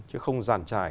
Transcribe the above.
chứ không giàn trải